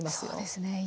そうですね。